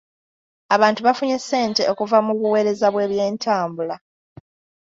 Abantu bafunye ssente okuva mu buweereza bw'ebyentambula.